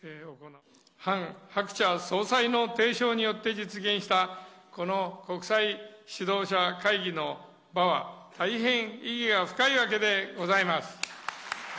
ハン・ハクチャ総裁の提唱によって実現したこの国際指導者会議の場は、大変意義が深いわけでございます。